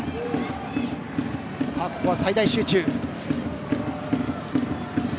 ここは最大集中。